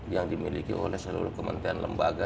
yang dimiliki oleh seluruh kementerian lembaga